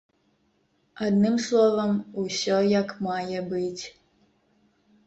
Адным словам, усё як мае быць.